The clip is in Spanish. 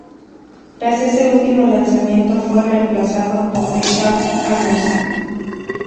Tras ese último lanzamiento fue reemplazado por Richard Harrison.